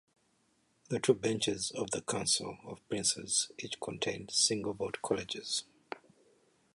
The two benches of the Council of Princes each contained single-vote colleges.